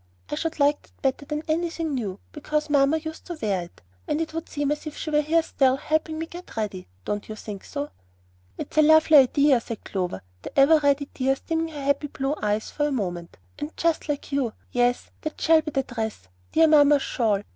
I should like that better than anything new, because mamma used to wear it, and it would seem as if she were here still, helping me to get ready. Don't you think so?" "It is a lovely idea," said Clover, the ever ready tears dimming her happy blue eyes for a moment, "and just like you. Yes, that shall be the dress, dear mamma's shawl.